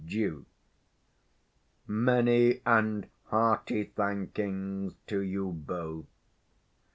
_} Duke. Many and hearty thankings to you both.